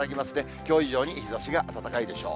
きょう以上に日ざしが暖かいでしょう。